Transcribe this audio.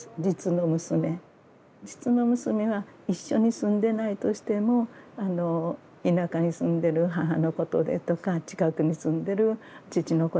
実の娘は一緒に住んでないとしても田舎に住んでる母のことでとか近くに住んでる父のことでとか言う。